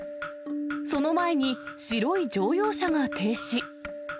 その前に、白い乗用車が停止。